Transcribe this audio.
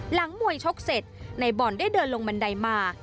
หลังมวยชกเสร็จในบอลได้เดินลงบันไดมา